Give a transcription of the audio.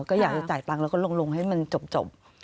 ก็อยากจะจ่ายตังค์แล้วก็ลงให้มันจบ